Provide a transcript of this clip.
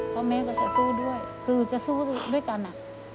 เพราะแม่ก็จะสู้ด้วยคือจะสู้ด้วยกันอ่ะ